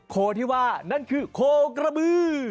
โคที่ว่านั่นคือโคกระบือ